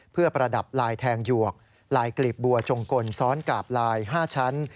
เพื่อประดับลายแทงหยวกลายกลีบบัวจงกลซ้อนกาบลาย๕ชั้น